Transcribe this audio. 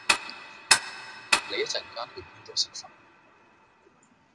你一陣間去邊度食飯？